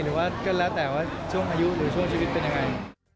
หรือว่าก็แล้วแต่ว่าช่วงอายุหรือช่วงชีวิตเป็นยังไง